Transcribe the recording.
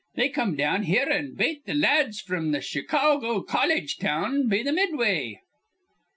They come down here, an' bate th' la ads fr'm th' Chicawgo Colledge down be th' Midway."